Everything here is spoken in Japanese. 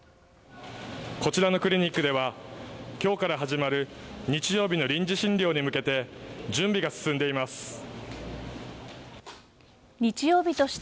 こちらのクリニックでは今日から始まる日曜日の臨時診療に向けて準備が進んでいます。